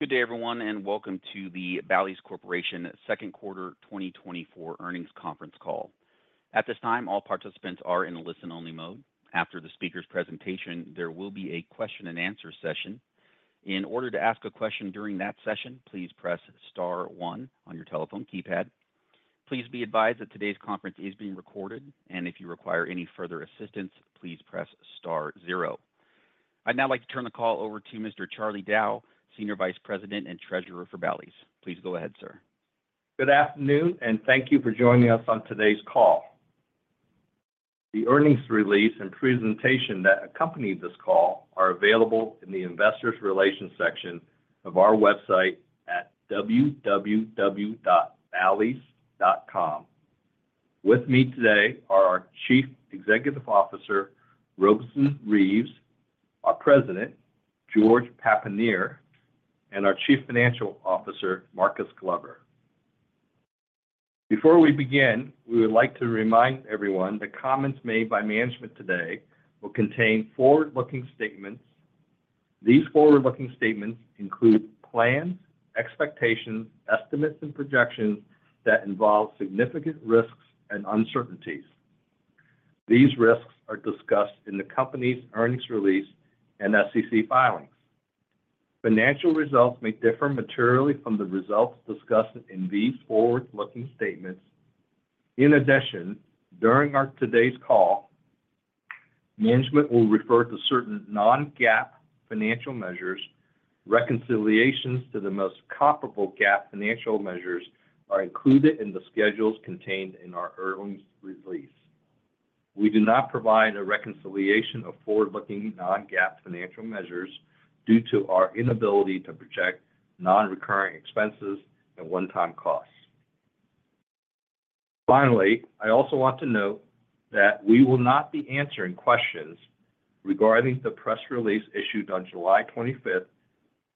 Good day, everyone, and welcome to the Bally's Corporation second quarter 2024 earnings conference call. At this time, all participants are in listen-only mode. After the speaker's presentation, there will be a question-and-answer session. In order to ask a question during that session, please press star one on your telephone keypad. Please be advised that today's conference is being recorded, and if you require any further assistance, please press star zero. I'd now like to turn the call over to Mr. Charlie Diao, Senior Vice President and Treasurer for Bally's. Please go ahead, sir. Good afternoon, and thank you for joining us on today's call. The earnings release and presentation that accompany this call are available in the Investor Relations section of our website at www.ballys.com. With me today are our Chief Executive Officer, Robeson Reeves, our President, George Papanier, and our Chief Financial Officer, Marcus Glover. Before we begin, we would like to remind everyone that comments made by management today will contain forward-looking statements. These forward-looking statements include plans, expectations, estimates, and projections that involve significant risks and uncertainties. These risks are discussed in the company's earnings release and SEC filings. Financial results may differ materially from the results discussed in these forward-looking statements. In addition, during today's call, management will refer to certain non-GAAP financial measures. Reconciliations to the most comparable GAAP financial measures are included in the schedules contained in our earnings release. We do not provide a reconciliation of forward-looking non-GAAP financial measures due to our inability to project non-recurring expenses and one-time costs. Finally, I also want to note that we will not be answering questions regarding the press release issued on July 25th,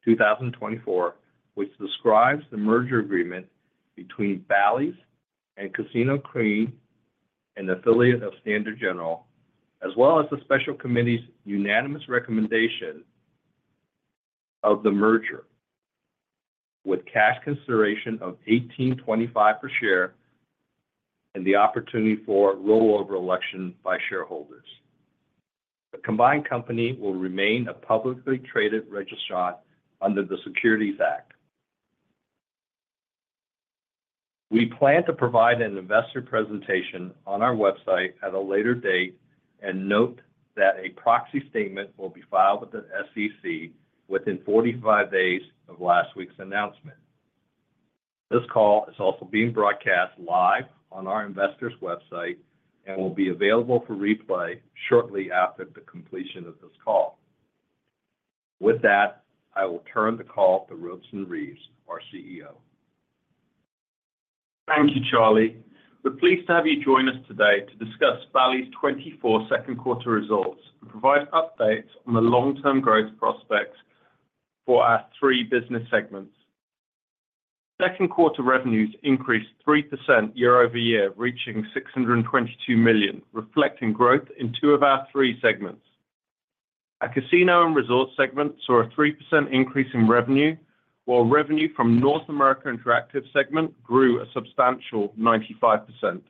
2024, which describes the merger agreement between Bally's and Queen Casino, an affiliate of Standard General, as well as the special committee's unanimous recommendation of the merger, with cash consideration of $18.25 per share and the opportunity for rollover election by shareholders. The combined company will remain a publicly traded registrant under the Securities Act. We plan to provide an investor presentation on our website at a later date and note that a proxy statement will be filed with the SEC within 45 days of last week's announcement. This call is also being broadcast live on our investors website and will be available for replay shortly after the completion of this call. With that, I will turn the call to Robeson Reeves, our CEO. Thank you, Charlie. We're pleased to have you join us today to discuss Bally's 2024 second quarter results and provide updates on the long-term growth prospects for our three business segments. Second quarter revenues increased 3% year-over-year, reaching $622 million, reflecting growth in two of our three segments. Our Casino and Resort segment saw a 3% increase in revenue, while revenue from North America Interactive segment grew a substantial 95%.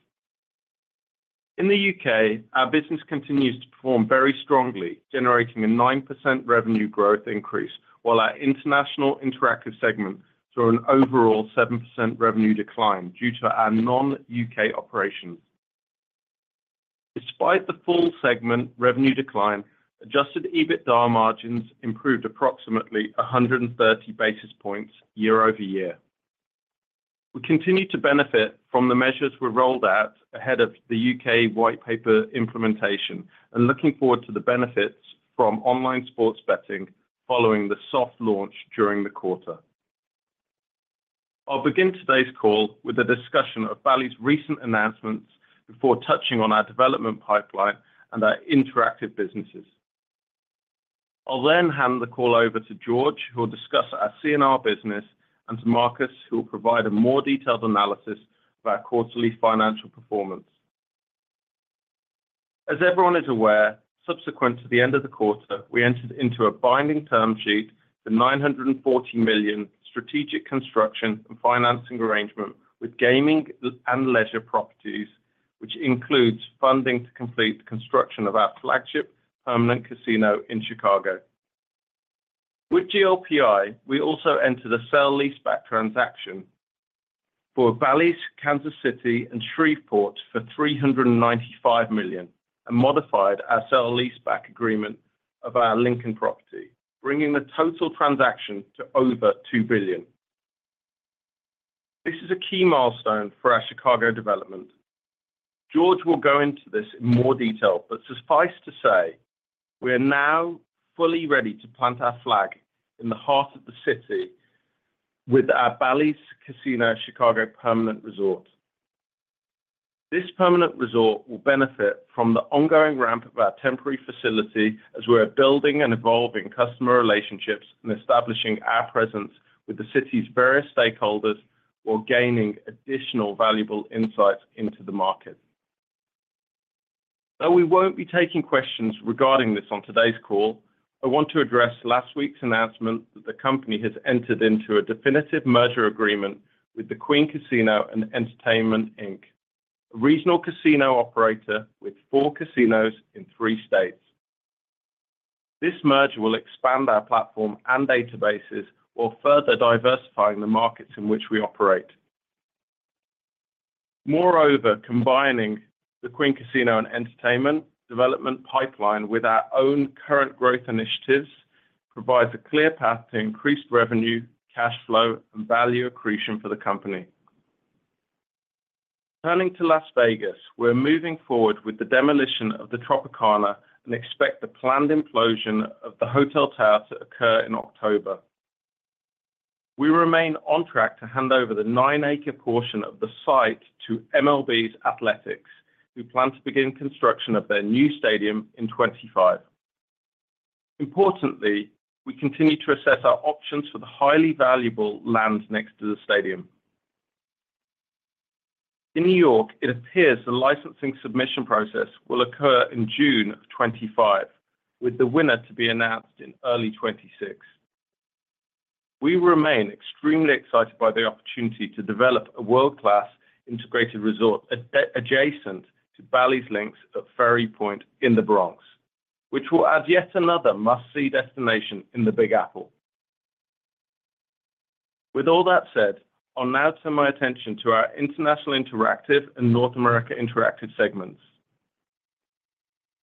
In the U.K., our business continues to perform very strongly, generating a 9% revenue growth increase, while our International Interactive segment saw an overall 7% revenue decline due to our non-U.K. operations. Despite the full segment revenue decline, adjusted EBITDA margins improved approximately 130 basis points year-over-year. We continue to benefit from the measures we rolled out ahead of the U.K. White Paper implementation and looking forward to the benefits from online sports betting following the soft launch during the quarter. I'll begin today's call with a discussion of Bally's recent announcements before touching on our development pipeline and our interactive businesses. I'll then hand the call over to George, who will discuss our C&R business, and to Marcus, who will provide a more detailed analysis of our quarterly financial performance. As everyone is aware, subsequent to the end of the quarter, we entered into a binding term sheet for $940 million strategic construction and financing arrangement with Gaming and Leisure Properties, which includes funding to complete the construction of our flagship permanent casino in Chicago. With GLPI, we also entered a sale leaseback transaction for Bally's Kansas City and Shreveport for $395 million and modified our sale leaseback agreement of our Lincoln property, bringing the total transaction to over $2 billion. This is a key milestone for our Chicago development. George will go into this in more detail, but suffice to say, we are now fully ready to plant our flag in the heart of the city with our Bally's Casino Chicago Permanent Resort. This permanent resort will benefit from the ongoing ramp of our temporary facility as we are building and evolving customer relationships and establishing our presence with the city's various stakeholders while gaining additional valuable insights into the market.... Though we won't be taking questions regarding this on today's call, I want to address last week's announcement that the company has entered into a definitive merger agreement with the Queen Casino and Entertainment Inc, a regional casino operator with four casinos in three states. This merger will expand our platform and databases, while further diversifying the markets in which we operate. Moreover, combining the Queen Casino and Entertainment development pipeline with our own current growth initiatives, provides a clear path to increased revenue, cash flow, and value accretion for the company. Turning to Las Vegas, we're moving forward with the demolition of the Tropicana and expect the planned implosion of the hotel tower to occur in October. We remain on track to hand over the 9-acre portion of the site to MLB's Athletics, who plan to begin construction of their new stadium in 2025. Importantly, we continue to assess our options for the highly valuable lands next to the stadium. In New York, it appears the licensing submission process will occur in June of 2025, with the winner to be announced in early 2026. We remain extremely excited by the opportunity to develop a world-class integrated resort adjacent to Bally's Links at Ferry Point in the Bronx, which will add yet another must-see destination in the Big Apple. With all that said, I'll now turn my attention to our International Interactive and North America Interactive segments.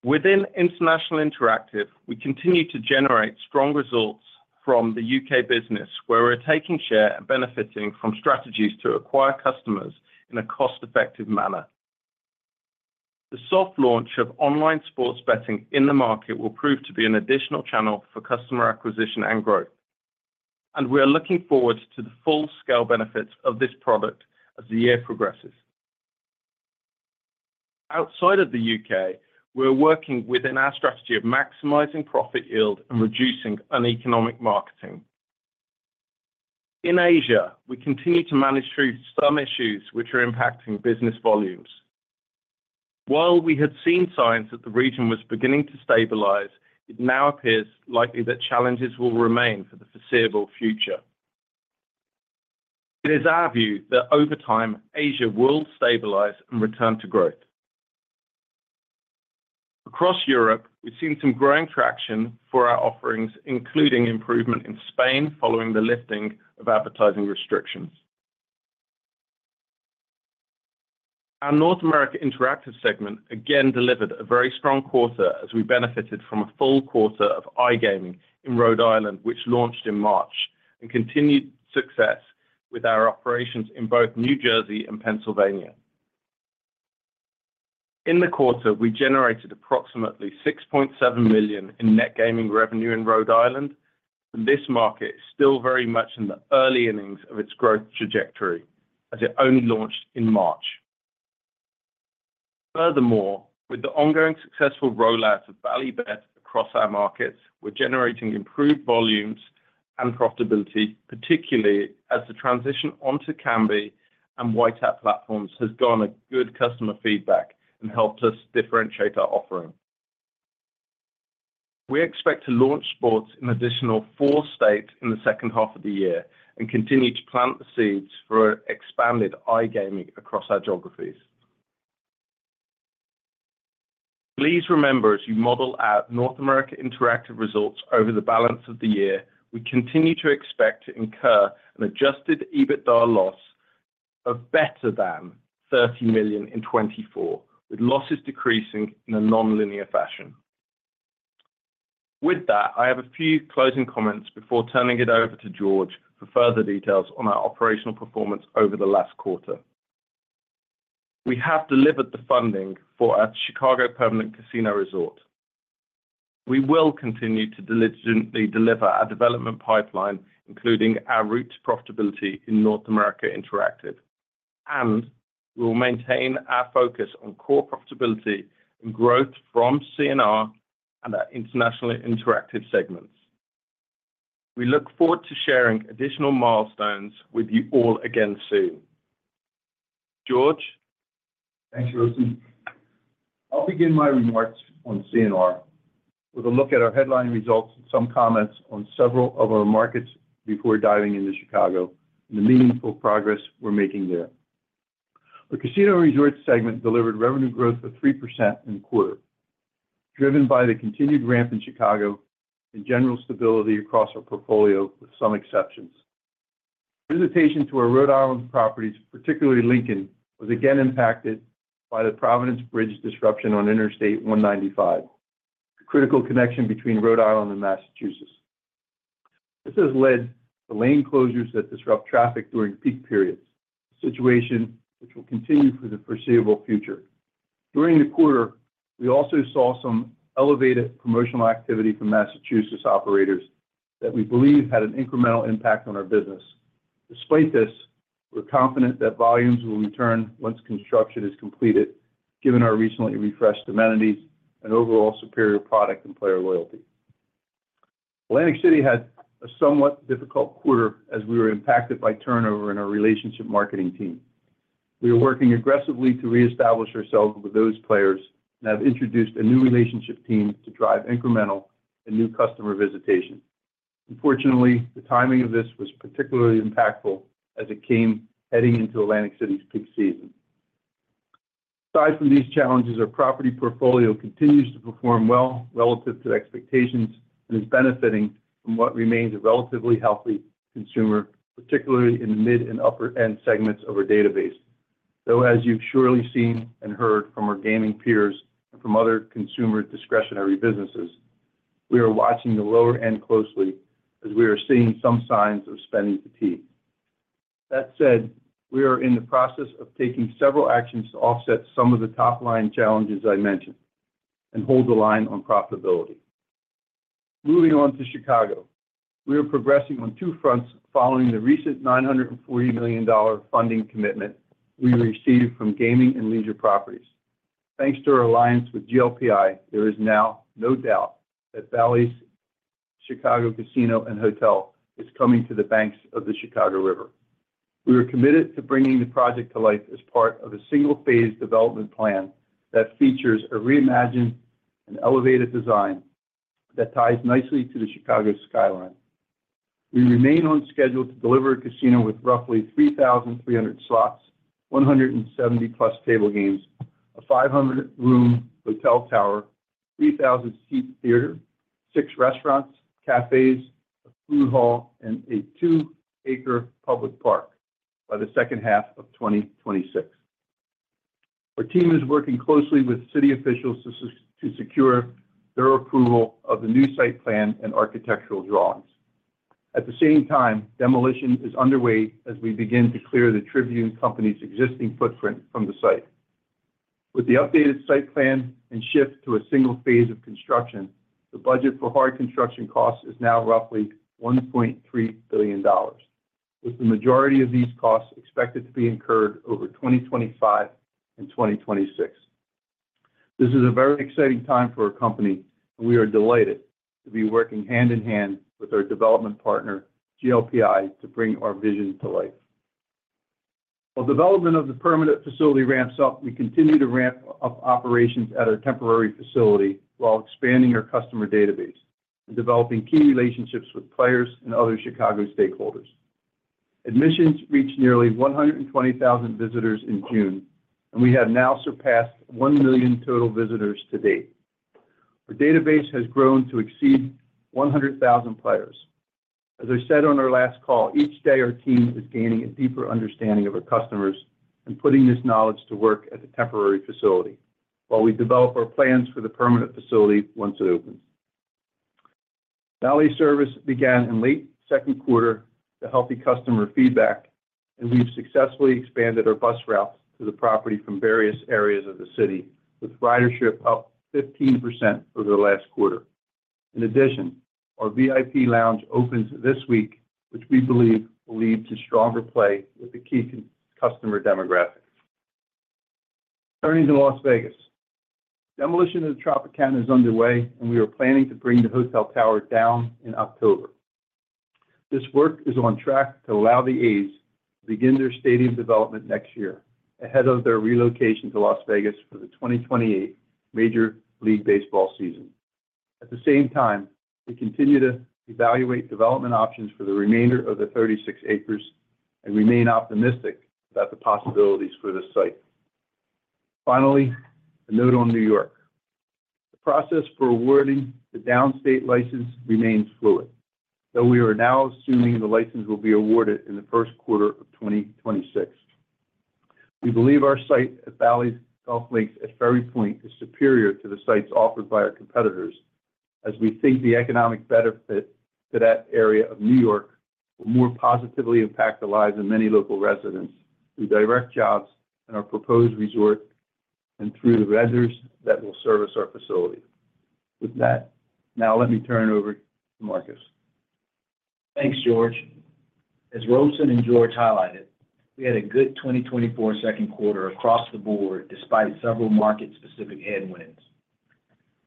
Within International Interactive, we continue to generate strong results from the U.K. business, where we're taking share and benefiting from strategies to acquire customers in a cost-effective manner. The soft launch of online sports betting in the market will prove to be an additional channel for customer acquisition and growth, and we are looking forward to the full-scale benefits of this product as the year progresses. Outside of the U.K., we're working within our strategy of maximizing profit yield and reducing uneconomic marketing. In Asia, we continue to manage through some issues which are impacting business volumes. While we had seen signs that the region was beginning to stabilize, it now appears likely that challenges will remain for the foreseeable future. It is our view that over time, Asia will stabilize and return to growth. Across Europe, we've seen some growing traction for our offerings, including improvement in Spain, following the lifting of advertising restrictions. Our North America Interactive segment again delivered a very strong quarter as we benefited from a full quarter of iGaming in Rhode Island, which launched in March, and continued success with our operations in both New Jersey and Pennsylvania. In the quarter, we generated approximately $6.7 million in net gaming revenue in Rhode Island, and this market is still very much in the early innings of its growth trajectory, as it only launched in March. Furthermore, with the ongoing successful rollout of Bally Bet across our markets, we're generating improved volumes and profitability, particularly as the transition onto Kambi and White Hat platforms has gotten a good customer feedback and helped us differentiate our offering. We expect to launch sports in additional four states in the second half of the year and continue to plant the seeds for expanded iGaming across our geographies. Please remember, as you model out North America Interactive results over the balance of the year, we continue to expect to incur an adjusted EBITDA loss of better than $30 million in 2024, with losses decreasing in a nonlinear fashion. With that, I have a few closing comments before turning it over to George for further details on our operational performance over the last quarter. We have delivered the funding for our Chicago Permanent Casino Resort. We will continue to diligently deliver our development pipeline, including our route to profitability in North America Interactive, and we will maintain our focus on core profitability and growth from C&R and our International Interactive segments. We look forward to sharing additional milestones with you all again soon. George? Thanks, Rosie. I'll begin my remarks on C&R with a look at our headline results and some comments on several of our markets before diving into Chicago and the meaningful progress we're making there. The Casino Resort segment delivered revenue growth of 3% in quarter, driven by the continued ramp in Chicago and general stability across our portfolio, with some exceptions. Visitation to our Rhode Island properties, particularly Lincoln, was again impacted by the Providence Bridge disruption on Interstate 195, the critical connection between Rhode Island and Massachusetts. This has led to lane closures that disrupt traffic during peak periods, a situation which will continue for the foreseeable future. During the quarter, we also saw some elevated promotional activity from Massachusetts operators that we believe had an incremental impact on our business. Despite this, we're confident that volumes will return once construction is completed, given our recently refreshed amenities and overall superior product and player loyalty.... Atlantic City had a somewhat difficult quarter as we were impacted by turnover in our relationship marketing team. We are working aggressively to reestablish ourselves with those players and have introduced a new relationship team to drive incremental and new customer visitation. Unfortunately, the timing of this was particularly impactful as it came heading into Atlantic City's peak season. Aside from these challenges, our property portfolio continues to perform well relative to expectations and is benefiting from what remains a relatively healthy consumer, particularly in the mid and upper-end segments of our database. Though, as you've surely seen and heard from our gaming peers and from other consumer discretionary businesses, we are watching the lower end closely as we are seeing some signs of spending fatigue. That said, we are in the process of taking several actions to offset some of the top-line challenges I mentioned, and hold the line on profitability. Moving on to Chicago. We are progressing on two fronts following the recent $940 million funding commitment we received from Gaming and Leisure Properties. Thanks to our alliance with GLPI, there is now no doubt that Bally's Chicago Casino and Hotel is coming to the banks of the Chicago River. We are committed to bringing the project to life as part of a single-phase development plan that features a reimagined and elevated design that ties nicely to the Chicago skyline. We remain on schedule to deliver a casino with roughly 3,300 slots, 170+ table games, a 500-room hotel tower, 3,000-seat theater, six restaurants, cafes, a food hall, and a 2-acre public park by the second half of 2026. Our team is working closely with city officials to secure their approval of the new site plan and architectural drawings. At the same time, demolition is underway as we begin to clear the Tribune Company's existing footprint from the site. With the updated site plan and shift to a single phase of construction, the budget for hard construction costs is now roughly $1.3 billion, with the majority of these costs expected to be incurred over 2025 and 2026. This is a very exciting time for our company, and we are delighted to be working hand in hand with our development partner, GLPI, to bring our vision to life. While development of the permanent facility ramps up, we continue to ramp up operations at our temporary facility while expanding our customer database and developing key relationships with players and other Chicago stakeholders. Admissions reached nearly 120,000 visitors in June, and we have now surpassed 1 million total visitors to date. Our database has grown to exceed 100,000 players. As I said on our last call, each day our team is gaining a deeper understanding of our customers and putting this knowledge to work at the temporary facility while we develop our plans for the permanent facility once it opens. Valet service began in late second quarter to healthy customer feedback, and we've successfully expanded our bus routes to the property from various areas of the city, with ridership up 15% over the last quarter. In addition, our VIP lounge opens this week, which we believe will lead to stronger play with the key customer demographics. Turning to Las Vegas. Demolition of the Tropicana is underway, and we are planning to bring the hotel tower down in October. This work is on track to allow the A's to begin their stadium development next year, ahead of their relocation to Las Vegas for the 2028 Major League Baseball season. At the same time, we continue to evaluate development options for the remainder of the 36 acres and remain optimistic about the possibilities for this site. Finally, a note on New York. The process for awarding the downstate license remains fluid, though we are now assuming the license will be awarded in the first quarter of 2026. We believe our site at Bally's Golf Links at Ferry Point is superior to the sites offered by our competitors, as we think the economic benefit to that area of New York will more positively impact the lives of many local residents through direct jobs in our proposed resort and through the visitors that will service our facility. With that, now let me turn it over to Marcus. Thanks, George. As Robeson and George highlighted, we had a good 2024 second quarter across the board, despite several market-specific headwinds.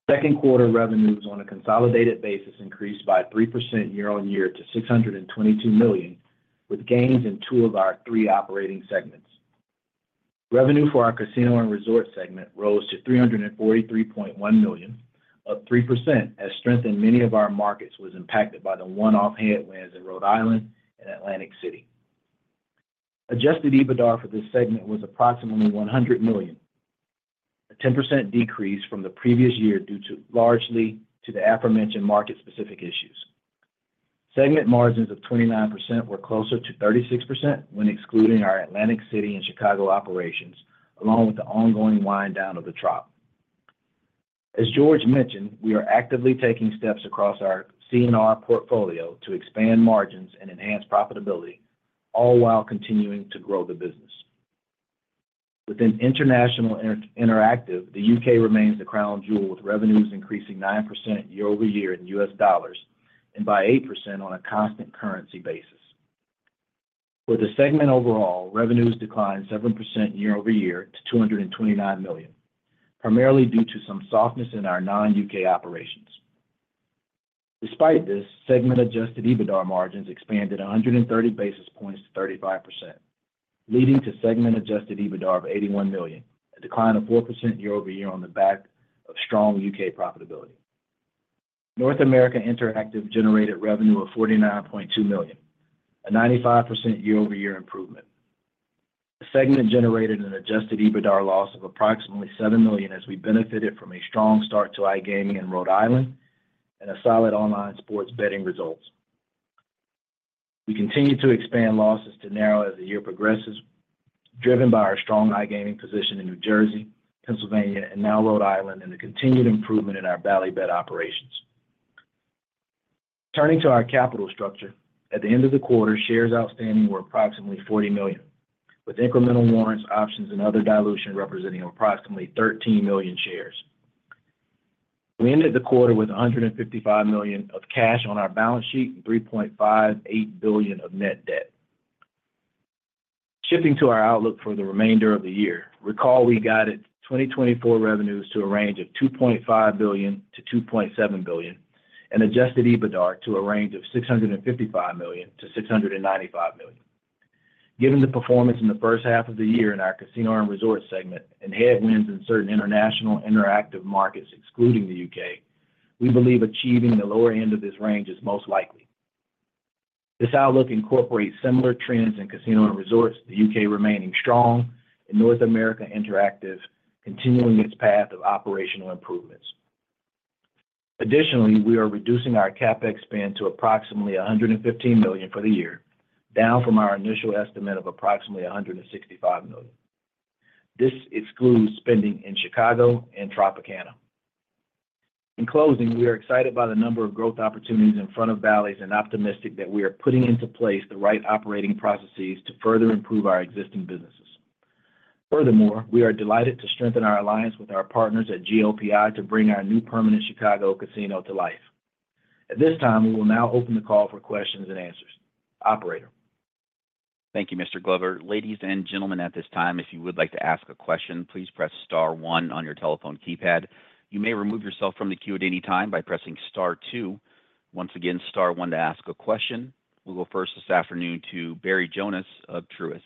Second quarter revenues on a consolidated basis increased by 3% year-over-year to $622 million, with gains in two of our three operating segments. Revenue for our Casino and Resort segment rose to $343.1 million, up 3%, as strength in many of our markets was impacted by the one-off headwinds in Rhode Island and Atlantic City. Adjusted EBITDA for this segment was approximately $100 million, a 10% decrease from the previous year, due largely to the aforementioned market-specific issues. Segment margins of 29% were closer to 36% when excluding our Atlantic City and Chicago operations, along with the ongoing wind down of the Trop. As George mentioned, we are actively taking steps across our C&R portfolio to expand margins and enhance profitability, all while continuing to grow the business. Within International Interactive, the U.K. remains the crown jewel, with revenues increasing 9% year-over-year in U.S. dollars and by 8% on a constant currency basis. For the segment overall, revenues declined 7% year-over-year to $229 million, primarily due to some softness in our non-U.K. operations. Despite this, segment adjusted EBITDAR margins expanded 130 basis points to 35%, leading to segment adjusted EBITDAR of $81 million, a decline of 4% year-over-year on the back of strong U.K. profitability. North America Interactive generated revenue of $49.2 million, a 95% year-over-year improvement. The segment generated an adjusted EBITDAR loss of approximately $7 million, as we benefited from a strong start to iGaming in Rhode Island and a solid online sports betting results. We continue to expand losses to narrow as the year progresses, driven by our strong iGaming position in New Jersey, Pennsylvania, and now Rhode Island, and the continued improvement in our Bally Bet operations. Turning to our capital structure, at the end of the quarter, shares outstanding were approximately 40 million, with incremental warrants, options, and other dilution representing approximately 13 million shares. We ended the quarter with $155 million of cash on our balance sheet and $3.58 billion of net debt. Shifting to our outlook for the remainder of the year, recall, we guided 2024 revenues to a range of $2.5 billion-$2.7 billion, and adjusted EBITDAR to a range of $655 million-$695 million. Given the performance in the first half of the year in our Casino and Resort segment and headwinds in certain International Interactive markets, excluding the U.K., we believe achieving the lower end of this range is most likely. This outlook incorporates similar trends in casino and resorts, the U.K. remaining strong, and North America Interactive continuing its path of operational improvements. Additionally, we are reducing our CapEx spend to approximately $115 million for the year, down from our initial estimate of approximately $165 million. This excludes spending in Chicago and Tropicana. In closing, we are excited by the number of growth opportunities in front of Bally's, and optimistic that we are putting into place the right operating processes to further improve our existing businesses. Furthermore, we are delighted to strengthen our alliance with our partners at GLPI to bring our new permanent Chicago casino to life. At this time, we will now open the call for questions and answers. Operator? Thank you, Mr. Glover. Ladies and gentlemen, at this time, if you would like to ask a question, please press star one on your telephone keypad. You may remove yourself from the queue at any time by pressing star two. Once again, star one to ask a question. We'll go first this afternoon to Barry Jonas of Truist.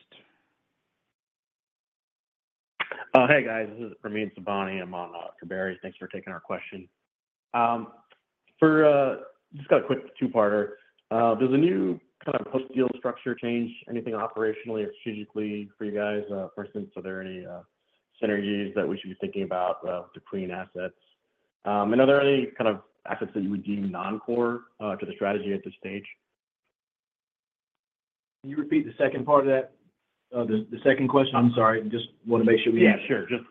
Hey, guys, this is Ramin Sobhani. I'm on for Barry. Thanks for taking our question. Just got a quick two-parter. Does the new kind of post-deal structure change anything operationally or strategically for you guys? For instance, are there any synergies that we should be thinking about between assets? And are there any kind of assets that you would deem non-core to the strategy at this stage? Can you repeat the second part of that, the second question? I'm sorry. Just want to make sure we- Yeah, sure. Just.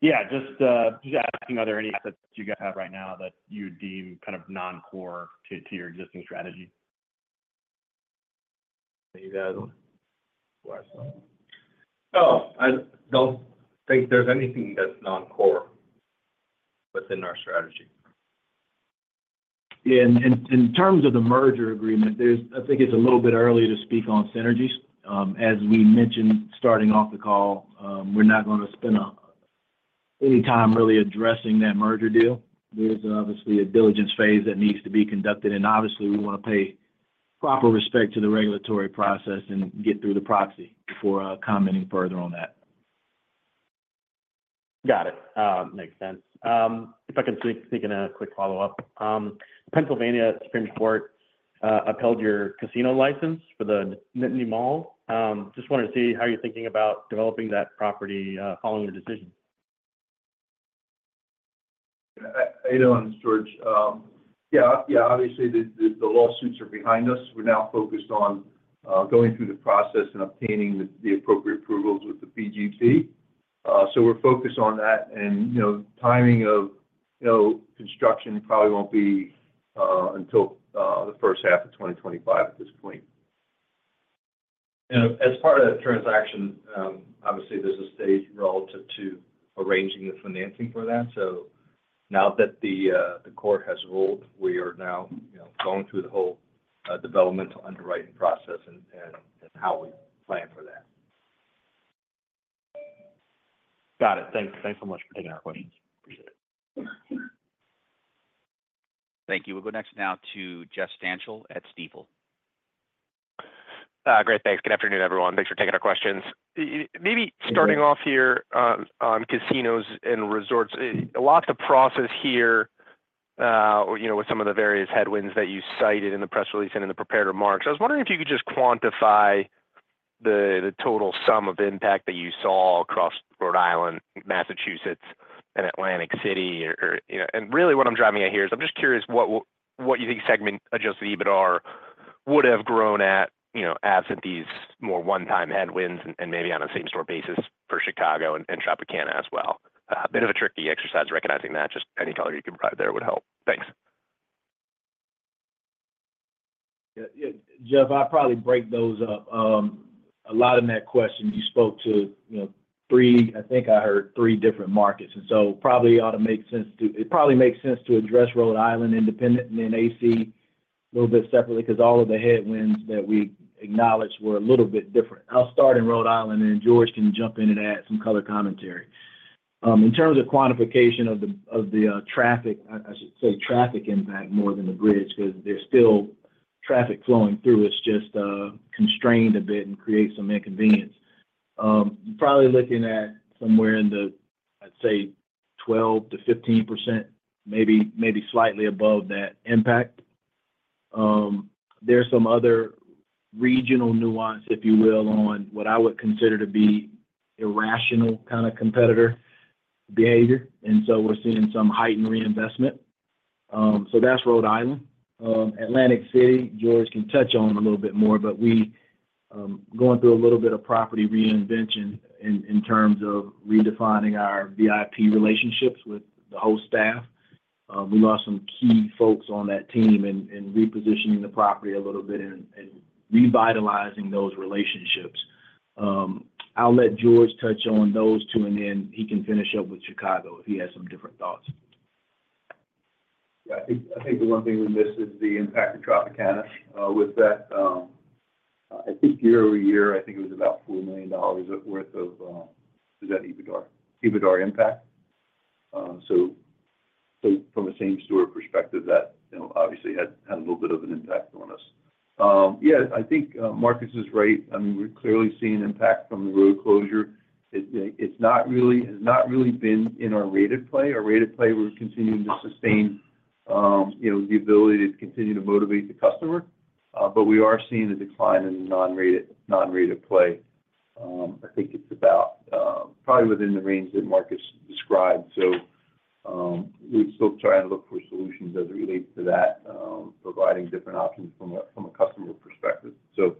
Yeah, just, just asking, are there any assets you guys have right now that you deem kind of non-core to, to your existing strategy? Can you add on? No, I don't think there's anything that's non-core within our strategy. Yeah, in terms of the merger agreement, there's. I think it's a little bit early to speak on synergies. As we mentioned, starting off the call, we're not gonna spend any time really addressing that merger deal. There's obviously a diligence phase that needs to be conducted, and obviously, we want to pay proper respect to the regulatory process and get through the proxy before commenting further on that. Got it. Makes sense. If I can sneak in a quick follow-up. Pennsylvania Supreme Court upheld your casino license for the Nittany Mall. Just wanted to see how you're thinking about developing that property following the decision. Hey, George, yeah. Obviously, the lawsuits are behind us. We're now focused on going through the process and obtaining the appropriate approvals with the PGC. So we're focused on that, and, you know, timing of, you know, construction probably won't be until the first half of 2025 at this point. You know, as part of the transaction, obviously, there's a stage relative to arranging the financing for that. So now that the court has ruled, we are now, you know, going through the whole developmental underwriting process and how we plan for that. Got it. Thanks, thanks so much for taking our questions. Appreciate it. Thank you. We'll go next now to Jeff Stantial at Stifel. Great. Thanks. Good afternoon, everyone. Thanks for taking our questions. Maybe- Good afternoon. Starting off here on casinos and resorts, a lot to process here, you know, with some of the various headwinds that you cited in the press release and in the prepared remarks. I was wondering if you could just quantify the total sum of impact that you saw across Rhode Island, Massachusetts, and Atlantic City or you know, and really what I'm driving at here is, I'm just curious what will—what you think segment-adjusted EBITDAR would have grown at, you know, absent these more one-time headwinds and, and maybe on a same-store basis for Chicago and Tropicana as well? A bit of a tricky exercise, recognizing that. Just any color you can provide there would help. Thanks. Yeah, yeah, Jeff, I'll probably break those up. A lot of that question, you spoke to, you know, three, I think I heard three different markets, and so probably ought to make sense to, it probably makes sense to address Rhode Island independent and then AC a little bit separately, because all of the headwinds that we acknowledged were a little bit different. I'll start in Rhode Island, and then George can jump in and add some color commentary. In terms of quantification of the, of the, traffic, I should say traffic impact more than the bridge, because there's still traffic flowing through. It's just, constrained a bit and creates some inconvenience. Probably looking at somewhere in the, I'd say 12%-15%, maybe, maybe slightly above that impact. There's some other regional nuance, if you will, on what I would consider to be irrational kind of competitor behavior, and so we're seeing some heightened reinvestment. So that's Rhode Island. Atlantic City, George can touch on a little bit more, but we going through a little bit of property reinvention in terms of redefining our VIP relationships with the whole staff. We lost some key folks on that team and repositioning the property a little bit and revitalizing those relationships. I'll let George touch on those two, and then he can finish up with Chicago, if he has some different thoughts. Yeah, I think, I think the one thing we missed is the impact of Tropicana. With that, I think year-over-year, I think it was about $4 million worth of, is that EBITDA? EBITDA impact. So, so from a same store perspective, that, you know, obviously had, had a little bit of an impact on us. Yeah, I think, Marcus is right. I mean, we're clearly seeing impact from the road closure. It, it's not really- it's not really been in our rated play. Our rated play, we're continuing to sustain, you know, the ability to continue to motivate the customer. But we are seeing a decline in the non-rated, non-rated play. I think it's about, probably within the range that Marcus described. So, we're still trying to look for solutions as it relates to that, providing different options from a customer perspective. So,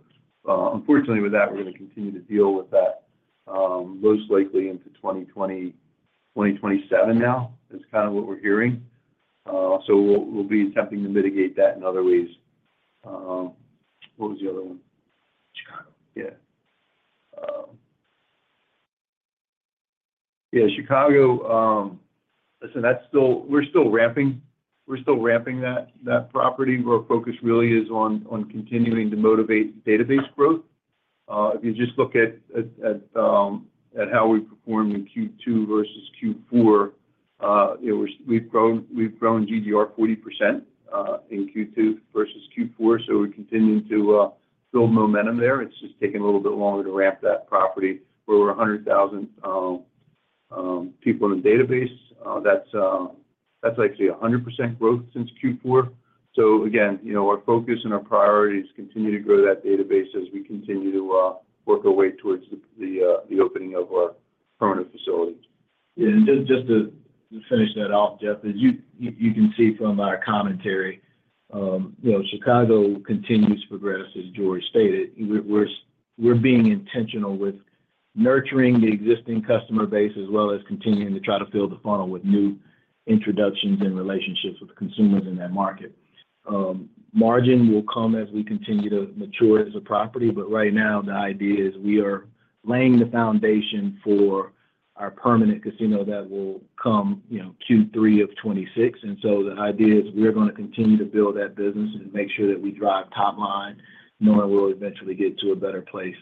unfortunately with that, we're going to continue to deal with that, most likely into 2027 now, is kind of what we're hearing. So we'll be attempting to mitigate that in other ways. What was the other one? Chicago. Yeah. Yeah, Chicago, listen, that's still, we're still ramping, we're still ramping that, that property, where our focus really is on, on continuing to motivate database growth. If you just look at how we performed in Q2 versus Q4, it was- we've grown, we've grown GGR 40%, in Q2 versus Q4, so we're continuing to build momentum there. It's just taking a little bit longer to ramp that property, where over 100,000 people in the database, that's, that's actually 100% growth since Q4. So again, you know, our focus and our priorities continue to grow that database as we continue to work our way towards the, the, the opening of our permanent facilities. Yeah, and just to finish that off, Jeff, as you can see from our commentary, you know, Chicago continues to progress, as George stated. We're being intentional with nurturing the existing customer base, as well as continuing to try to build a funnel with new introductions and relationships with the consumers in that market. Margin will come as we continue to mature as a property, but right now the idea is we are laying the foundation for our permanent casino that will come, you know, Q3 of 2026. And so the idea is we are gonna continue to build that business and make sure that we drive top line, knowing we'll eventually get to a better place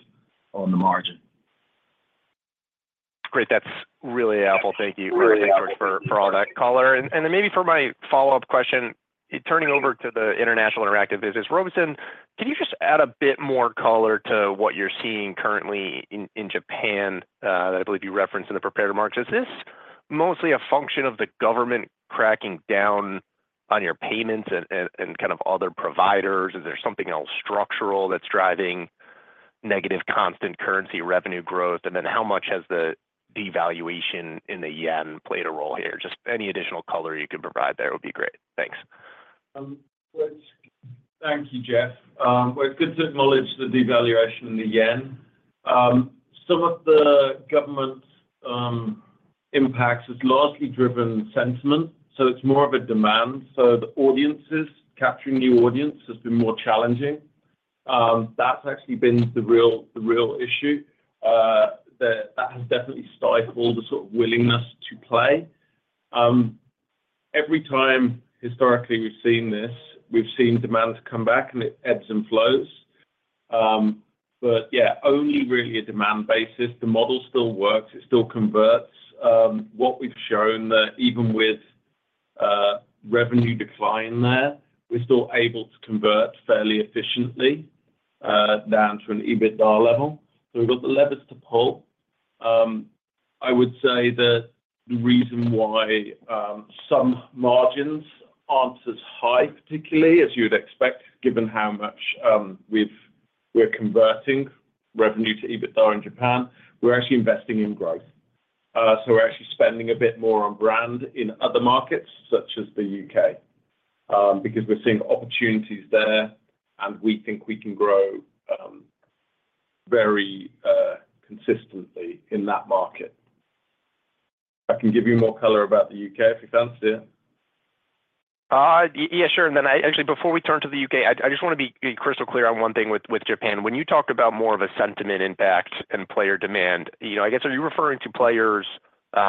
on the margin. Great. That's really helpful. Thank you for all that color. And then maybe for my follow-up question, turning over to the International Interactive business, Robeson, can you just add a bit more color to what you're seeing currently in Japan, that I believe you referenced in the prepared remarks? Is this mostly a function of the government cracking down on your payments and kind of other providers, or is there something else structural that's driving negative constant currency revenue growth? And then how much has the devaluation in the yen played a role here? Just any additional color you can provide there would be great. Thanks. Thank you, Jeff. Well, it's good to acknowledge the devaluation in the yen. Some of the government's impacts is largely driven sentiment, so it's more of a demand. So the audiences, capturing new audience has been more challenging. That's actually been the real, the real issue, that has definitely stifled all the sort of willingness to play. Every time, historically, we've seen this, we've seen demand come back, and it ebbs and flows. But yeah, only really a demand basis. The model still works, it still converts. What we've shown that even with revenue decline there, we're still able to convert fairly efficiently down to an EBITDA level. So we've got the levers to pull. I would say that the reason why some margins aren't as high, particularly, as you'd expect, given how much we're converting revenue to EBITDA in Japan, we're actually investing in growth. So we're actually spending a bit more on brand in other markets, such as the U.K., because we're seeing opportunities there, and we think we can grow very consistently in that market. I can give you more color about the U.K., if you fancy it? Yeah, sure. And then actually, before we turn to the U.K., I just want to be crystal clear on one thing with Japan. When you talk about more of a sentiment impact and player demand, you know, I guess, are you referring to players, you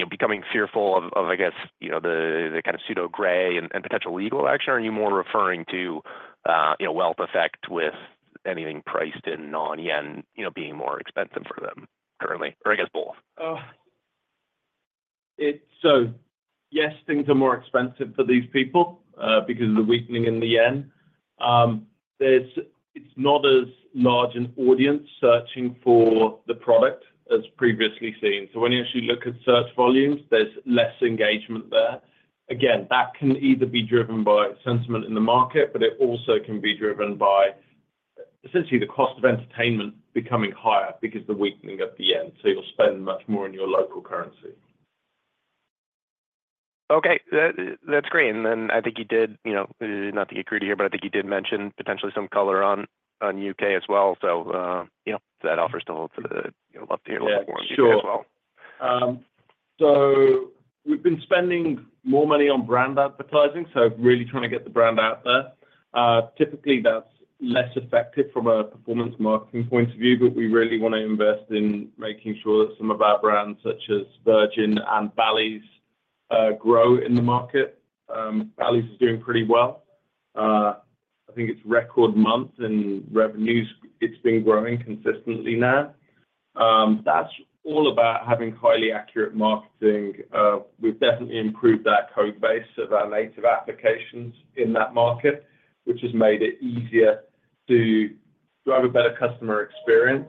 know, becoming fearful of, of, I guess, you know, the kind of pseudo gray and potential legal action? Or are you more referring to, you know, wealth effect with anything priced in non-yen, you know, being more expensive for them currently? Or I guess both. So, yes, things are more expensive for these people because of the weakening in the yen. It's not as large an audience searching for the product as previously seen. So when you actually look at search volumes, there's less engagement there. Again, that can either be driven by sentiment in the market, but it also can be driven by essentially the cost of entertainment becoming higher because of the weakening of the yen, so you'll spend much more in your local currency. Okay. That, that's great, and then I think you did, you know, not to get greedy here, but I think you did mention potentially some color on, on U.K. as well. So, you know, if that offers to hold for the, you know, love to hear a little more- Yeah, sure on U.K. as well. So we've been spending more money on brand advertising, so really trying to get the brand out there. Typically, that's less effective from a performance marketing point of view, but we really want to invest in making sure that some of our brands, such as Virgin and Bally's, grow in the market. Bally's is doing pretty well. I think it's record month and revenues, it's been growing consistently now. That's all about having highly accurate marketing. We've definitely improved our code base of our native applications in that market, which has made it easier to drive a better customer experience,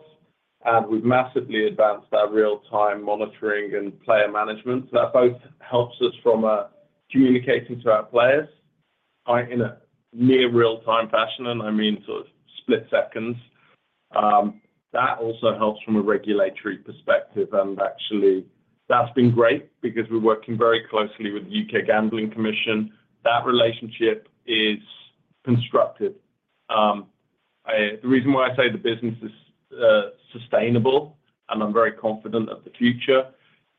and we've massively advanced our real-time monitoring and player management. So that both helps us from communicating to our players in a near real-time fashion, and I mean sort of split seconds. That also helps from a regulatory perspective, and actually that's been great because we're working very closely with the U.K. Gambling Commission. That relationship is constructive. The reason why I say the business is sustainable and I'm very confident of the future,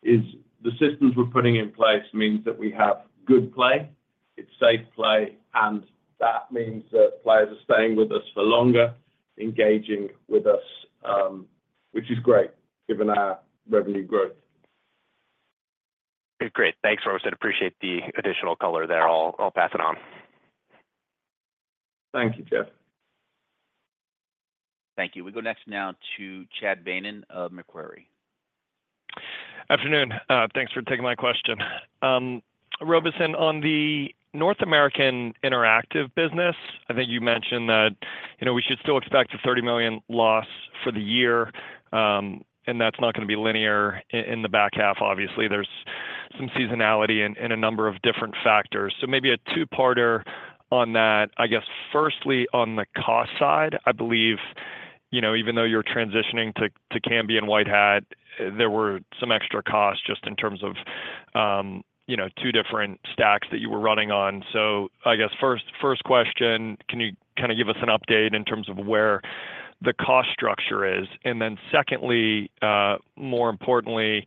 is the systems we're putting in place means that we have good play, it's safe play, and that means that players are staying with us for longer, engaging with us, which is great, given our revenue growth. Great. Thanks, Robeson. Appreciate the additional color there. I'll pass it on. Thank you, Jeff. Thank you. We go next now to Chad Beynon of Macquarie. Afternoon, thanks for taking my question. Robeson, on the North American interactive business, I think you mentioned that, you know, we should still expect a $30 million loss for the year, and that's not gonna be linear in the back half. Obviously, there's some seasonality and a number of different factors. So maybe a two-parter on that. I guess, firstly, on the cost side, I believe, you know, even though you're transitioning to Kambi and White Hat, there were some extra costs just in terms of, you know, two different stacks that you were running on. So I guess first question, can you kind of give us an update in terms of where the cost structure is? Secondly, more importantly,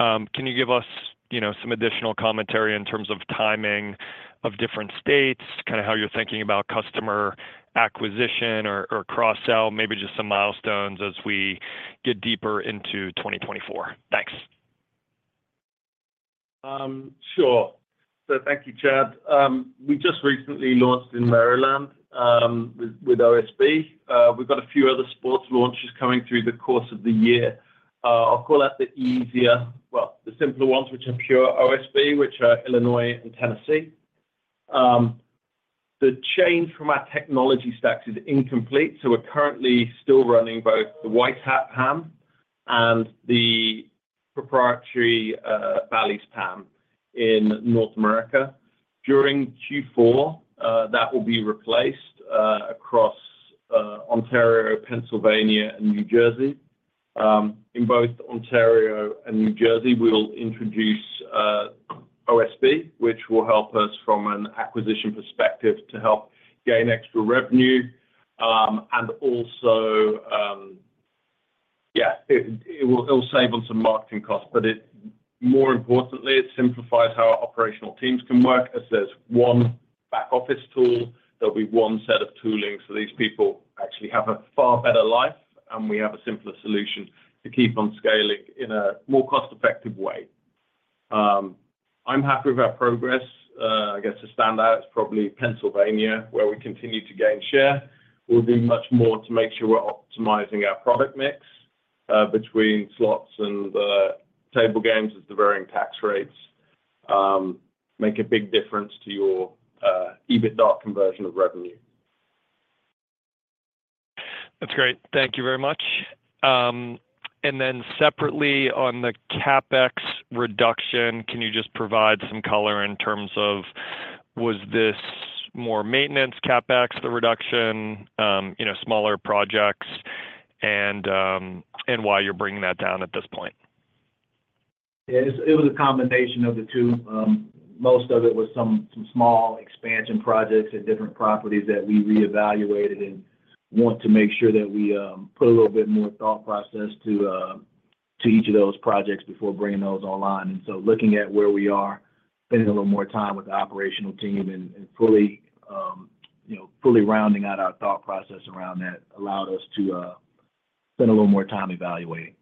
can you give us, you know, some additional commentary in terms of timing of different states, kind of how you're thinking about customer acquisition or, or cross-sell, maybe just some milestones as we get deeper into 2024? Thanks. Sure. So thank you, Chad. We just recently launched in Maryland with OSB. We've got a few other sports launches coming through the course of the year. I'll call out the easier, well, the simpler ones, which are pure OSB, which are Illinois and Tennessee. The change from our technology stacks is incomplete, so we're currently still running both the White Hat PAM and the proprietary Bally's PAM in North America. During Q4, that will be replaced across Ontario, Pennsylvania, and New Jersey. In both Ontario and New Jersey, we'll introduce OSB, which will help us from an acquisition perspective to help gain extra revenue, and also, it'll save on some marketing costs, but more importantly, it simplifies how our operational teams can work, as there's one back office tool, there'll be one set of tooling, so these people actually have a far better life, and we have a simpler solution to keep on scaling in a more cost-effective way. I'm happy with our progress. I guess the standout is probably Pennsylvania, where we continue to gain share. We'll do much more to make sure we're optimizing our product mix between slots and table games as the varying tax rates make a big difference to your EBITDA conversion of revenue. That's great. Thank you very much. And then separately, on the CapEx reduction, can you just provide some color in terms of was this more maintenance CapEx, the reduction, you know, smaller projects, and why you're bringing that down at this point? Yeah, it was a combination of the two. Most of it was some small expansion projects at different properties that we reevaluated and- want to make sure that we put a little bit more thought process to each of those projects before bringing those online. And so looking at where we are, spending a little more time with the operational team and fully, you know, fully rounding out our thought process around that allowed us to spend a little more time evaluating.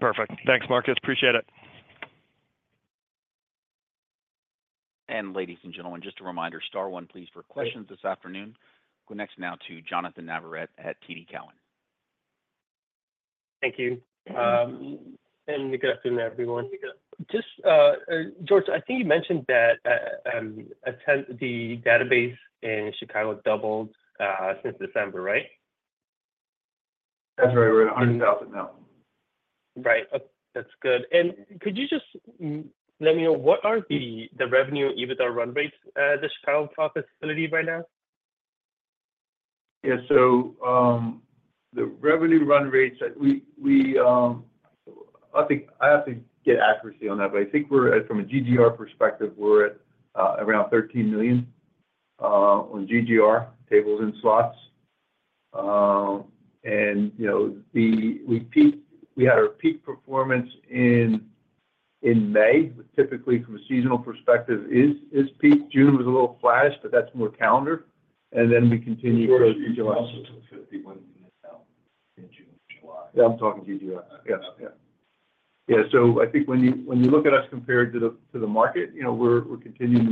Perfect. Thanks, Marcus. Appreciate it. Ladies and gentlemen, just a reminder, star one, please, for questions this afternoon. Go next now to Jonnathan Navarrete at TD Cowen. Thank you. Good afternoon, everyone. Just George, I think you mentioned that the database in Chicago doubled since December, right? That's right. We're at 100,000 now. Right. That's good. And could you just let me know, what are the revenue, EBITDA run rates at the Chicago facility right now? Yeah. So, the revenue run rates that we I think I have to get accuracy on that, but I think we're at, from a GGR perspective, we're at around $13 million on GGR tables and slots. And, you know, we peaked—we had our peak performance in May, which typically, from a seasonal perspective, is peak. June was a little flat, but that's more calendar, and then we continue through July. Also to 51 in the south in June, July. Yeah, I'm talking GGR. Yes, yeah. Yeah, so I think when you look at us compared to the market, you know, we're continuing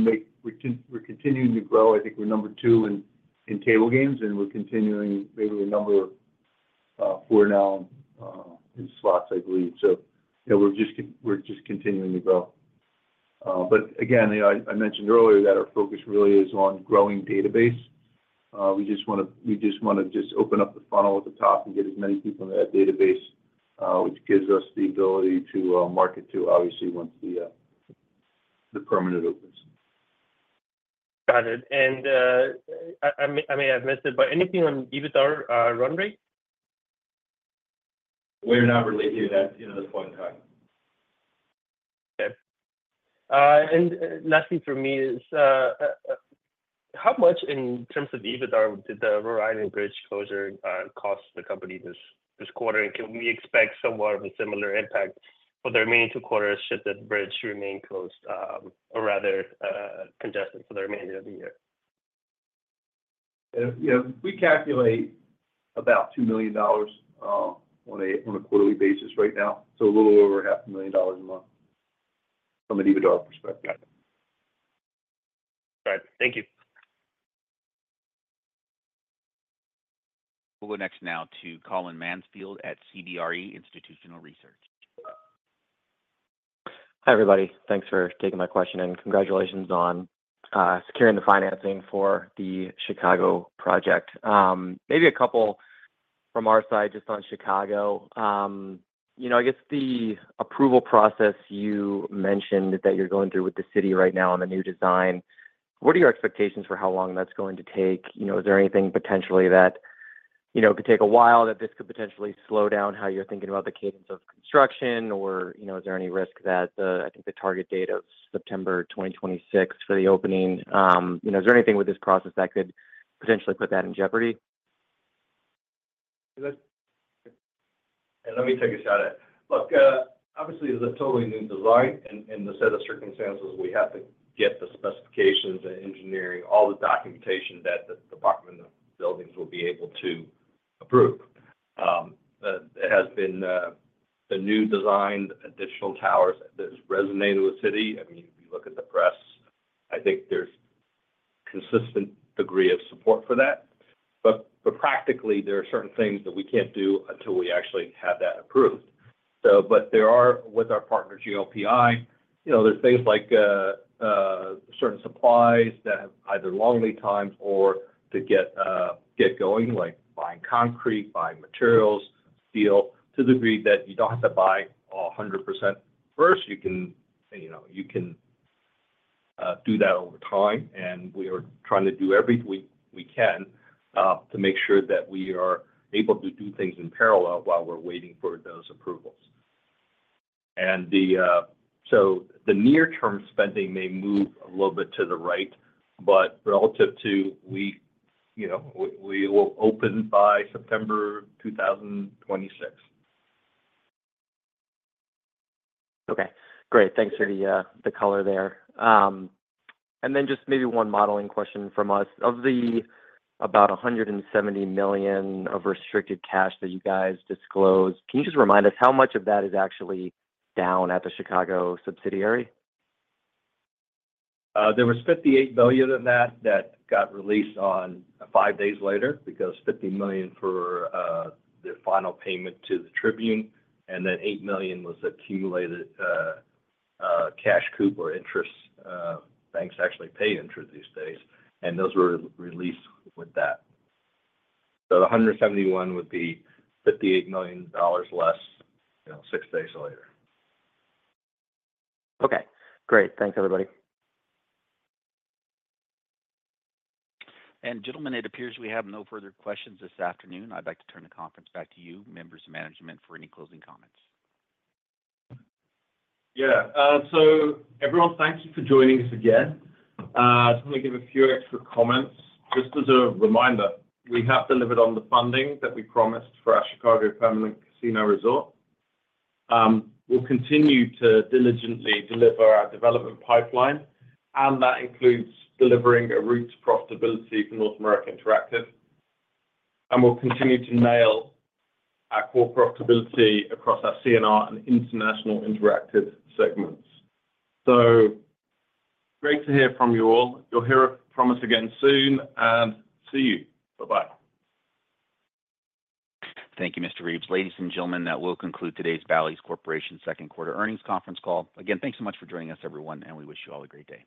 to grow. I think we're number two in table games, and we're continuing, maybe we're number four now in slots, I believe. So, yeah, we're just continuing to grow. But again, I mentioned earlier that our focus really is on growing database. We just wanna open up the funnel at the top and get as many people in that database, which gives us the ability to market to, obviously, once the permanent opens. Got it. And, I may have missed it, but anything on EBITDA run rate? We're not releasing that, you know, at this point in time. Okay. And lastly for me is, how much in terms of EBITDA did the Washington Bridge closure cost the company this quarter? And can we expect somewhat of a similar impact for the remaining two quarters, should that bridge remain closed, or rather, congested for the remainder of the year? Yeah. We calculate about $2 million on a quarterly basis right now, so a little over $500,000 a month from an EBITDA perspective. Got it. All right. Thank you. We'll go next now to Colin Mansfield at CBRE Institutional Research. Hi, everybody. Thanks for taking my question, and congratulations on securing the financing for the Chicago project. Maybe a couple from our side, just on Chicago. You know, I guess the approval process you mentioned that you're going through with the city right now on the new design, what are your expectations for how long that's going to take? You know, is there anything potentially that, you know, could take a while, that this could potentially slow down how you're thinking about the cadence of construction, or, you know, is there any risk that the, I think the target date of September 2026 for the opening, you know, is there anything with this process that could potentially put that in jeopardy? Let me take a shot at it. Look, obviously, it's a totally new design and the set of circumstances. We have to get the specifications, the engineering, all the documentation that the Department of Buildings will be able to approve. But it has been the new design, additional towers, that has resonated with the city. I mean, if you look at the press, I think there's consistent degree of support for that. But practically, there are certain things that we can't do until we actually have that approved. So, but there are, with our partner, GLPI, you know, there's things like certain supplies that have either long lead times or to get going, like buying concrete, buying materials, steel, to the degree that you don't have to buy 100% first. You can, you know, you can do that over time, and we are trying to do everything we can to make sure that we are able to do things in parallel while we're waiting for those approvals. So the near-term spending may move a little bit to the right, but relative to we, you know, we will open by September 2026. Okay, great. Thanks for the color there. Then just maybe one modeling question from us. Of the about $170 million of restricted cash that you guys disclosed, can you just remind us how much of that is actually down at the Chicago subsidiary? There was $58 million in that that got released five days later, because $50 million for the final payment to the Tribune, and then $8 million was accumulated cash coupon or interest. Banks actually pay interest these days, and those were released with that. So the 171 would be $58 million less, you know, six days later. Okay, great. Thanks, everybody. Gentlemen, it appears we have no further questions this afternoon. I'd like to turn the conference back to you, members of management, for any closing comments. Yeah. So everyone, thank you for joining us again. I just want to give a few extra comments. Just as a reminder, we have delivered on the funding that we promised for our Chicago Permanent Casino Resort. We'll continue to diligently deliver our development pipeline, and that includes delivering a route to profitability for North American Interactive. And we'll continue to nail our core profitability across our C&R and International Interactive segments. So great to hear from you all. You'll hear from us again soon, and see you. Bye-bye. Thank you, Mr. Reeves. Ladies and gentlemen, that will conclude today's Bally's Corporation second quarter earnings conference call. Again, thanks so much for joining us, everyone, and we wish you all a great day.